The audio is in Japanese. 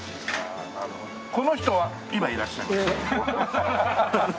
この人は今いらっしゃいます？